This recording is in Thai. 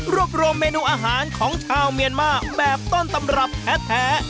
รวบรวมเมนูอาหารของชาวเมียนมาแบบต้นตำรับแท้